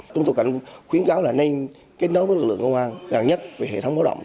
chúng tôi khuyến cáo là nên kết nối với lực lượng công an gần nhất về hệ thống báo động